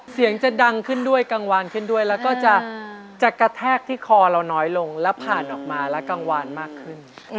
เสียงจะดังขึ้นด้วยกังวานขึ้นด้วยแล้วก็จะกระแทกที่คอเราน้อยลงแล้วผ่านออกมาแล้วกังวานมากขึ้น